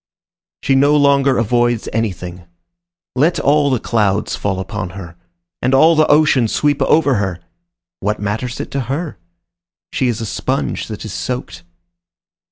She no longer avoids anything. Let all the clouds fall upon her, and all the ocean sweep over her! What matters it to her? She is a sponge that is soaked.